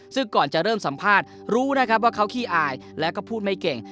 ซึ่งก่อนจะเริ่มสัมภาษณ์รู้นะครับว่าเขาขี้อายแล้วก็พูดไม่เก่ง